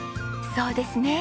そうですね。